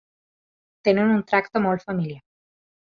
Tenen un tracte molt familiar.